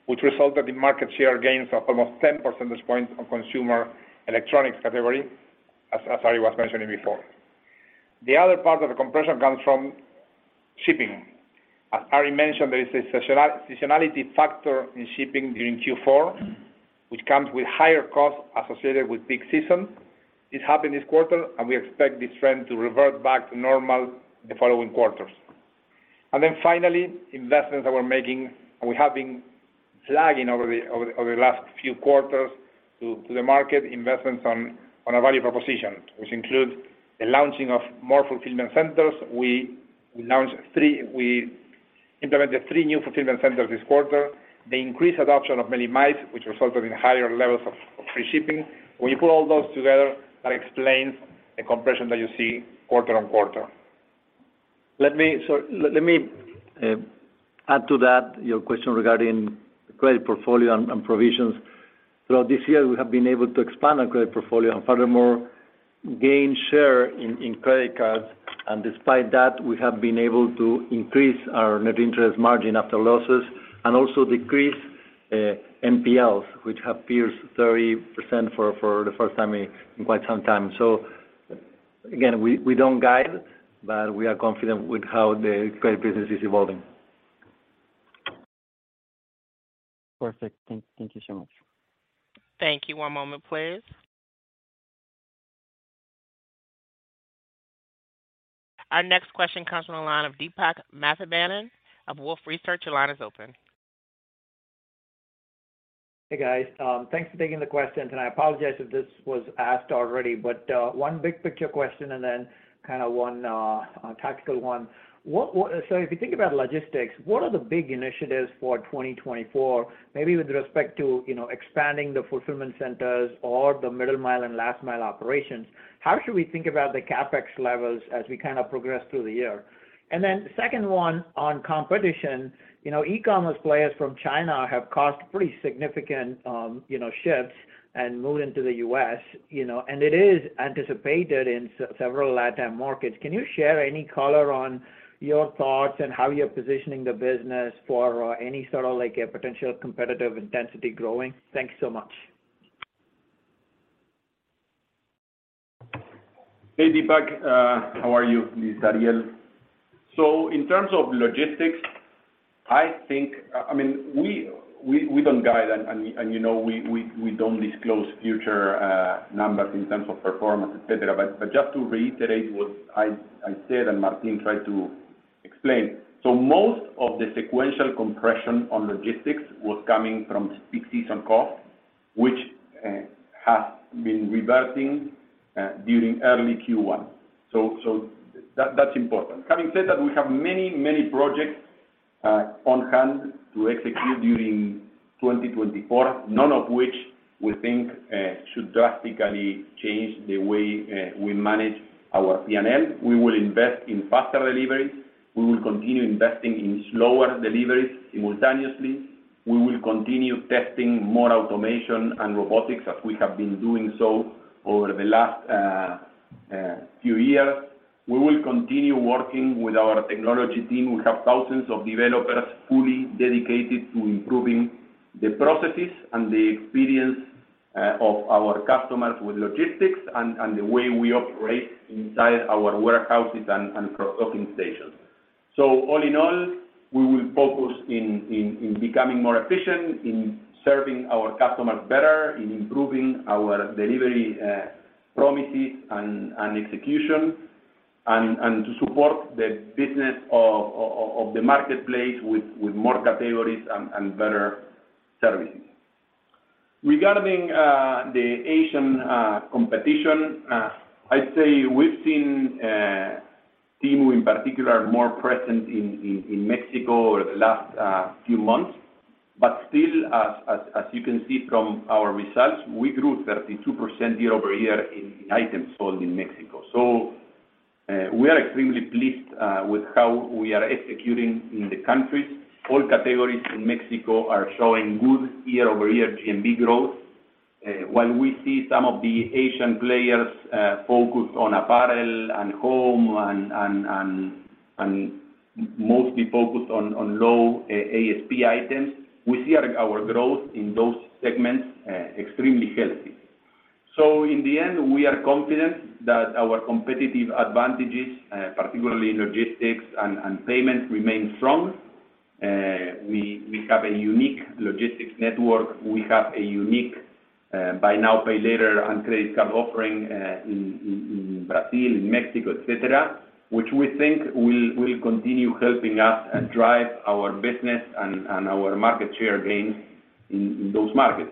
which resulted in market share gains of almost 10 percentage points on consumer electronics category, as Ari was mentioning before. The other part of the compression comes from shipping. As Ari mentioned, there is a seasonality factor in shipping during Q4, which comes with higher costs associated with peak season. This happened this quarter, and we expect this trend to revert back to normal the following quarters. Finally, investments that we're making and we have been flagging over the last few quarters to the market, investments on our value proposition, which includes the launching of more fulfillment centers. We implemented 3 new fulfillment centers this quarter, the increased adoption of Meli Mais, which resulted in higher levels of free shipping. When you put all those together, that explains the compression that you see quarter-over-quarter. So let me add to that your question regarding the credit portfolio and provisions. Throughout this year, we have been able to expand our credit portfolio and furthermore gain share in credit cards. And despite that, we have been able to increase our net interest margin after losses and also decrease NPLs, which appears 30% for the first time in quite some time. So again, we don't guide, but we are confident with how the credit business is evolving. Perfect. Thank you so much. Thank you. One moment, please. Our next question comes from the line of Deepak Mathivanan of Wolfe Research. Your line is open. Hey, guys. Thanks for taking the question. I apologize if this was asked already, but one big picture question and then kind of one tactical one. So if you think about logistics, what are the big initiatives for 2024, maybe with respect to expanding the fulfillment centers or the middle-mile and last-mile operations? How should we think about the CapEx levels as we kind of progress through the year? Then second one, on competition, e-commerce players from China have caused pretty significant shifts and moved into the U.S. And it is anticipated in several LatAm markets. Can you share any color on your thoughts and how you're positioning the business for any sort of potential competitive intensity growing? Thanks so much. Hey, Deepak. How are you? This is Ariel. So in terms of logistics, I think I mean, we don't guide, and we don't disclose future numbers in terms of performance, etc. But just to reiterate what I said and Martín tried to explain, so most of the sequential compression on logistics was coming from peak season cost, which has been reverting during early Q1. So that's important. Having said that, we have many, many projects on hand to execute during 2024, none of which we think should drastically change the way we manage our P&L. We will invest in faster deliveries. We will continue investing in slower deliveries simultaneously. We will continue testing more automation and robotics as we have been doing so over the last few years. We will continue working with our technology team. We have thousands of developers fully dedicated to improving the processes and the experience of our customers with logistics and the way we operate inside our warehouses and cross-docking stations. So all in all, we will focus in becoming more efficient, in serving our customers better, in improving our delivery promises and execution, and to support the business of the marketplace with more categories and better services. Regarding the Asian competition, I'd say we've seen Temu in particular more present in Mexico over the last few months. But still, as you can see from our results, we grew 32% year-over-year in items sold in Mexico. So we are extremely pleased with how we are executing in the countries. All categories in Mexico are showing good year-over-year GMV growth. While we see some of the Asian players focused on Apparel and Home and mostly focused on low ASP items, we see our growth in those segments extremely healthy. So in the end, we are confident that our competitive advantages, particularly in logistics and payments, remain strong. We have a unique logistics network. We have a unique buy now, pay later and credit card offering in Brazil, in Mexico, etc., which we think will continue helping us drive our business and our market share gains in those markets.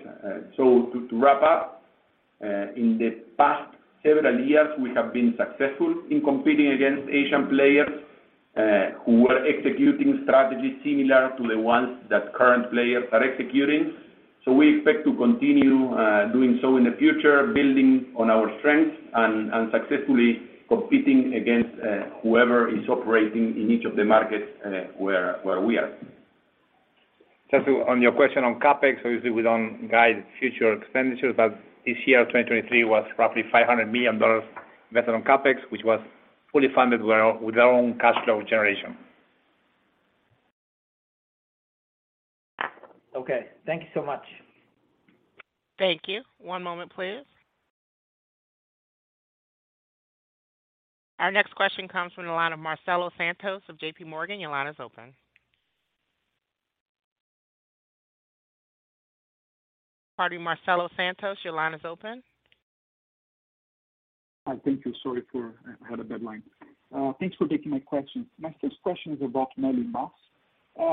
So to wrap up, in the past several years, we have been successful in competing against Asian players who were executing strategies similar to the ones that current players are executing. So we expect to continue doing so in the future, building on our strengths and successfully competing against whoever is operating in each of the markets where we are. Just on your question on CapEx, obviously, we don't guide future expenditures, but this year, 2023, was roughly $500 million invested on CapEx, which was fully funded with our own cash flow generation. Okay. Thank you so much. Thank you. One moment, please. Our next question comes from the line of Marcelo Santos of J.P. Morgan. Your line is open. Pardon, Marcelo Santos. Your line is open. Hi. Thank you. Sorry, I had a deadline. Thanks for taking my questions. My first question is about Meli+. Is Meli+ a net negative in terms of P&L? I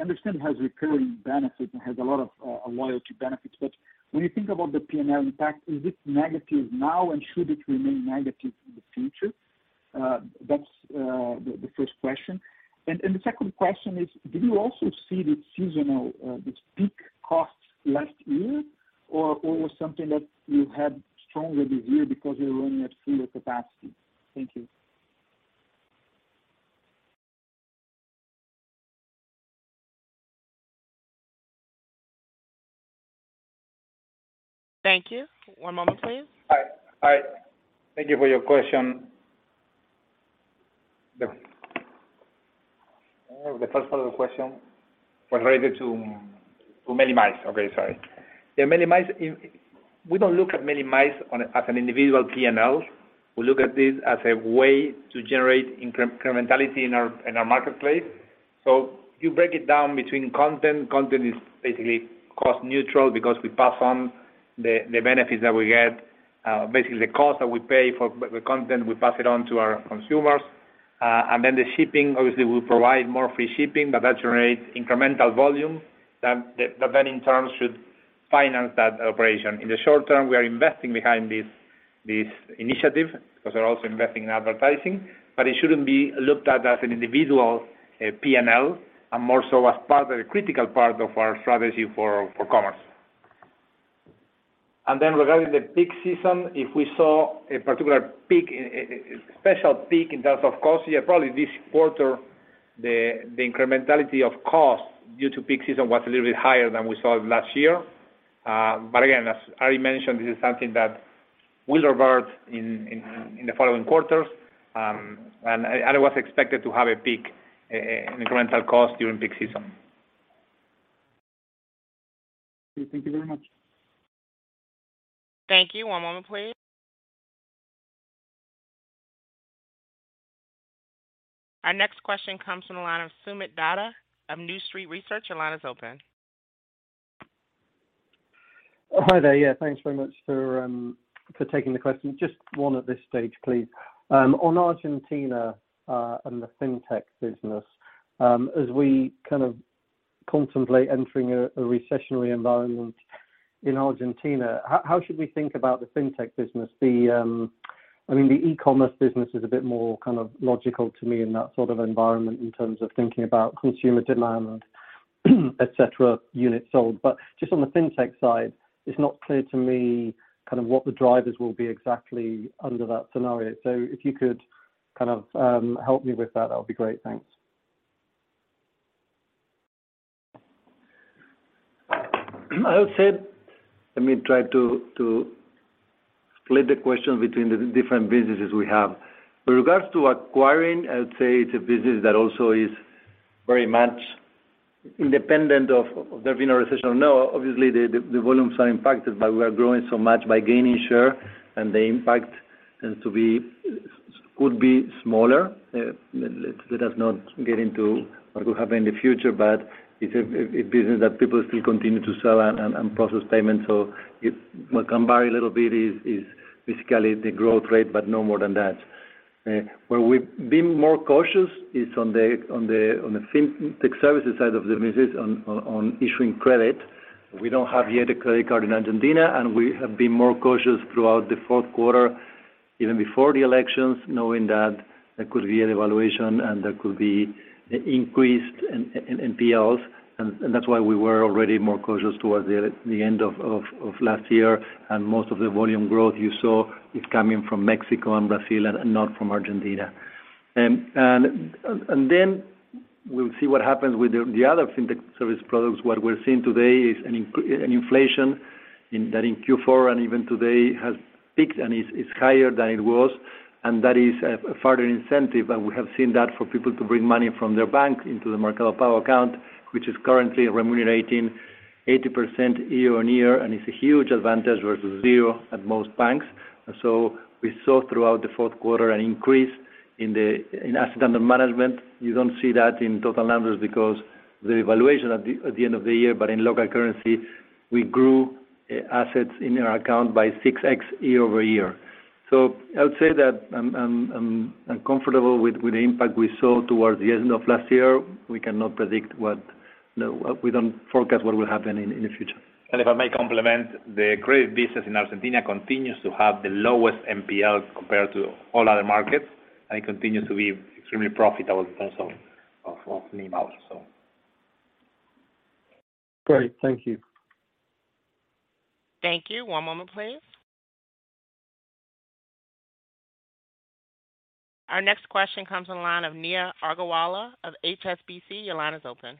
understand it has recurring benefits and has a lot of loyalty benefits. But when you think about the P&L impact, is this negative now, and should it remain negative in the future? That's the first question. And the second question is, did you also see this seasonal, this peak costs last year, or was something that you had stronger this year because you're running at fuller capacity? Thank you. Thank you. One moment, please. Hi. Hi. Thank you for your question. The first part of the question was related to Meli Mais. Okay. Sorry. Yeah, Meli Mais, we don't look at Meli Mais as an individual P&L. We look at this as a way to generate incrementality in our marketplace. So you break it down between content. Content is basically cost-neutral because we pass on the benefits that we get. Basically, the cost that we pay for the content, we pass it on to our consumers. And then the shipping, obviously, we provide more free shipping, but that generates incremental volume that then, in turn, should finance that operation. In the short term, we are investing behind this initiative because we're also investing in advertising. But it shouldn't be looked at as an individual P&L and more so as part of the critical part of our strategy for commerce. Then regarding the peak season, if we saw a particular peak, special peak in terms of costs, yeah, probably this quarter, the incrementality of costs due to peak season was a little bit higher than we saw last year. But again, as Ari mentioned, this is something that will revert in the following quarters. It was expected to have a peak incremental cost during peak season. Thank you very much. Thank you. One moment, please. Our next question comes from the line of Sumit Datta of New Street Research. Your line is open. Hi there. Yeah, thanks very much for taking the question. Just one at this stage, please. On Argentina and the fintech business, as we kind of contemplate entering a recessionary environment in Argentina, how should we think about the fintech business? I mean, the e-commerce business is a bit more kind of logical to me in that sort of environment in terms of thinking about consumer demand, etc., units sold. But just on the fintech side, it's not clear to me kind of what the drivers will be exactly under that scenario. So if you could kind of help me with that, that would be great. Thanks. I would say, let me try to split the question between the different businesses we have. With regards to acquiring, I would say it's a business that also is very much independent of there being a recession or no. Obviously, the volumes are impacted, but we are growing so much by gaining share, and the impact tends to be could be smaller. Let us not get into what could happen in the future, but it's a business that people still continue to sell and process payments. So what can vary a little bit is basically the growth rate, but no more than that. Where we've been more cautious is on the fintech services side of the business, on issuing credit. We don't have yet a credit card in Argentina, and we have been more cautious throughout the fourth quarter, even before the elections, knowing that there could be an evaluation and there could be increased NPLs. That's why we were already more cautious towards the end of last year. Most of the volume growth you saw is coming from Mexico and Brazil and not from Argentina. Then we'll see what happens with the other fintech service products. What we're seeing today is an inflation that in Q4 and even today has peaked and is higher than it was. That is a further incentive. We have seen that for people to bring money from their bank into the MercadoPago account, which is currently remunerating 80% year-on-year, and it's a huge advantage versus 0% at most banks. So we saw throughout the fourth quarter an increase in assets under management. You don't see that in total numbers because of the devaluation at the end of the year, but in local currency, we grew assets in our account by 6x year-over-year. So I would say that I'm comfortable with the impact we saw towards the end of last year. We cannot predict what we don't forecast what will happen in the future. And if I may complement, the credit business in Argentina continues to have the lowest NPL compared to all other markets, and it continues to be extremely profitable in terms of NIMAL, so. Great. Thank you. Thank you. One moment, please. Our next question comes on the line of Neha Agarwala of HSBC. Your line is open.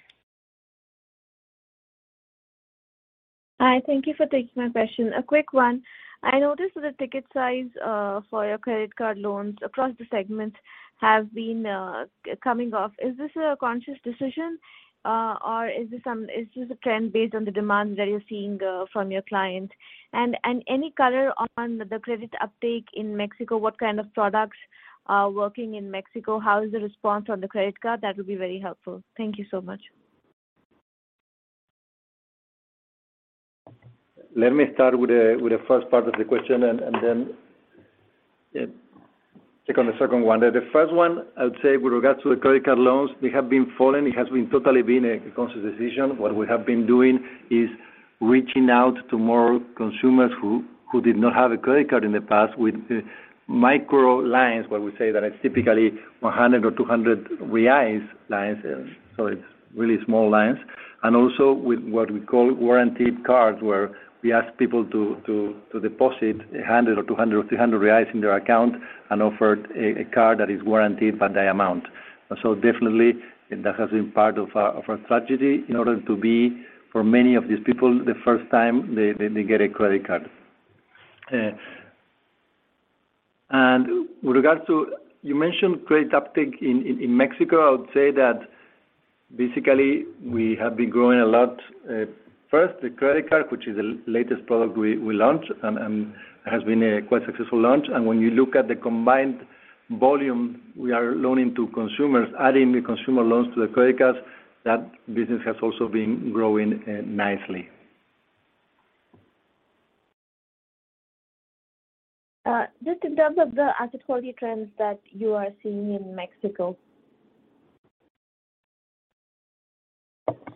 Hi. Thank you for taking my question. A quick one. I noticed that the ticket size for your credit card loans across the segments has been coming off. Is this a conscious decision, or is this just a trend based on the demand that you're seeing from your clients? And any color on the credit uptake in Mexico? What kind of products are working in Mexico? How is the response on the credit card? That would be very helpful. Thank you so much. Let me start with the first part of the question and then take on the second one. The first one, I would say, with regards to the credit card loans, they have been falling. It has totally been a conscious decision. What we have been doing is reaching out to more consumers who did not have a credit card in the past with micro lines, what we say that it's typically 100 or 200 reais lines, so it's really small lines. And also with what we call warranted cards, where we ask people to deposit 100 or 200 or 300 reais in their account and offer a card that is warranted by that amount. So definitely, that has been part of our strategy in order to be, for many of these people, the first time they get a credit card. And with regards to you mentioned credit uptake in Mexico. I would say that basically, we have been growing a lot. First, the credit card, which is the latest product we launched, and it has been a quite successful launch. And when you look at the combined volume we are loaning to consumers, adding the consumer loans to the credit cards, that business has also been growing nicely. Just in terms of the asset quality trends that you are seeing in Mexico.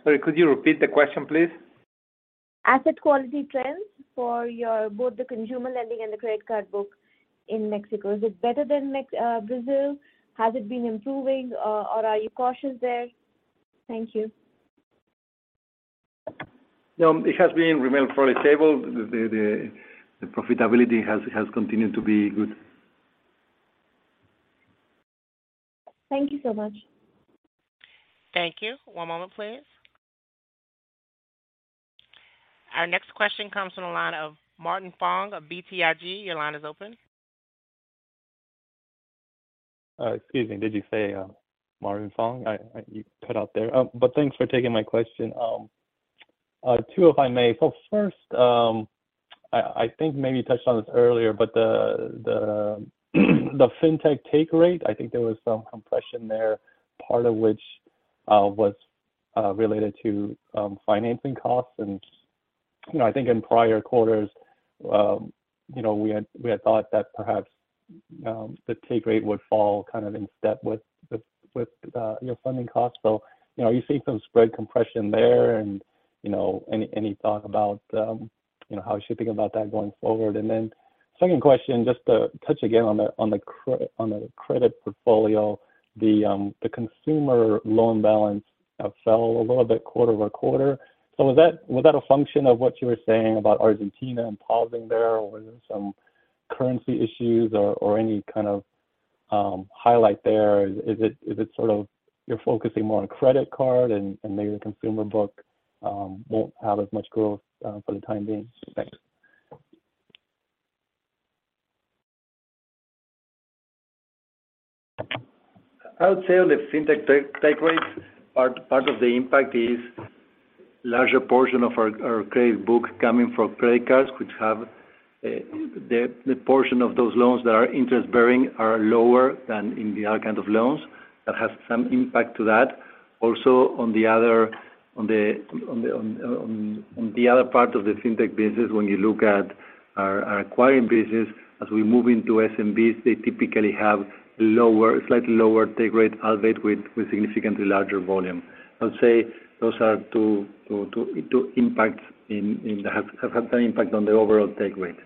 Sorry. Could you repeat the question, please? Asset quality trends for both the consumer lending and the credit card book in Mexico. Is it better than Brazil? Has it been improving, or are you cautious there? Thank you. No. It has remained fairly stable. The profitability has continued to be good. Thank you so much. Thank you. One moment, please. Our next question comes on the line of Marvin Fong of BTIG. Your line is open. Excuse me. Did you say Marvin Fong? You cut out there. But thanks for taking my question. Too, if I may. So first, I think maybe touched on this earlier, but the fintech take rate, I think there was some compression there, part of which was related to financing costs. And I think in prior quarters, we had thought that perhaps the take rate would fall kind of in step with your funding costs. So are you seeing some spread compression there, and any thought about how you should think about that going forward? And then second question, just to touch again on the credit portfolio, the consumer loan balance fell a little bit quarter-over-quarter. So was that a function of what you were saying about Argentina and pausing there, or were there some currency issues or any kind of highlight there? Is it sort of you're focusing more on credit card, and maybe the consumer book won't have as much growth for the time being? Thanks. I would say on the fintech take rate, part of the impact is larger portion of our credit book coming from credit cards, which have the portion of those loans that are interest-bearing are lower than in the other kind of loans. That has some impact to that. Also, on the other part of the fintech business, when you look at our acquiring business, as we move into SMBs, they typically have a slightly lower take rate albeit with significantly larger volume. I would say those are two impacts that have had some impact on the overall take rate.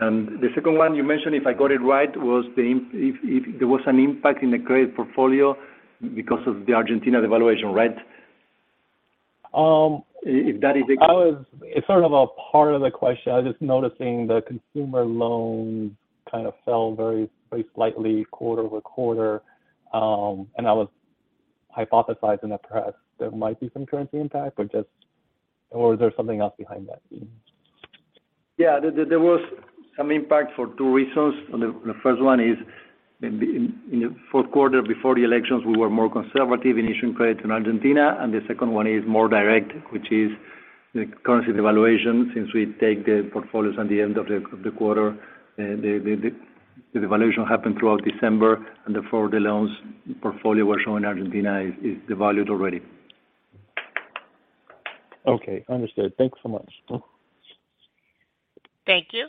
And the second one you mentioned, if I got it right, was if there was an impact in the credit portfolio because of the Argentina devaluation, right? If that is the. It's sort of a part of the question. I was just noticing the consumer loans kind of fell very slightly quarter-over-quarter. I was hypothesizing that perhaps there might be some currency impact, but just or was there something else behind that? Yeah. There was some impact for two reasons. The first one is in the fourth quarter before the elections, we were more conservative in issuing credit in Argentina. The second one is more direct, which is the currency devaluation. Since we take the portfolios at the end of the quarter, the devaluation happened throughout December, and therefore, the loans portfolio we're showing in Argentina is devalued already. Okay. Understood. Thanks so much. Thank you.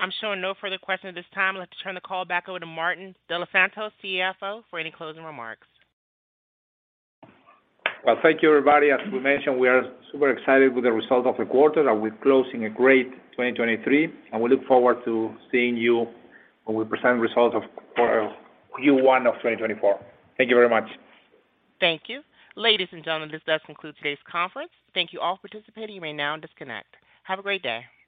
I'm showing no further questions at this time. I'd like to turn the call back over to Martín de los Santos, CFO, for any closing remarks. Well, thank you, everybody. As we mentioned, we are super excited with the result of the quarter, and we're closing a great 2023. We look forward to seeing you when we present results of Q1 of 2024. Thank you very much. Thank you. Ladies and gentlemen, this does conclude today's conference. Thank you all for participating. You may now disconnect. Have a great day.